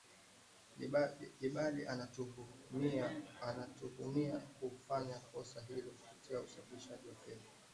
Jebali anatuhumiwa kufanya kosa hilo kupitia usafirishaji wa fedha za kigeni kwa shirika la misaada nchini Tunisia kulingana na wizara ya mambo ya ndani